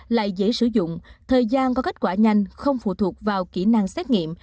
lại dễ sử dụng thời gian có kết quả nhanh không phụ thuộc vào kỹ năng xét nghiệm